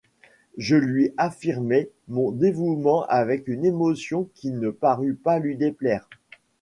Je lui affirmai mon dévouement avec une émotion qui ne parut pas lui déplaire.